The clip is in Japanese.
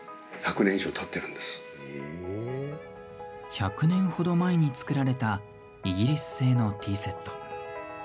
１００年ほど前に作られたイギリス製のティーセット。